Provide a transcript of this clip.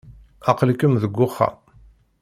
Aql-ikem deg uxxam.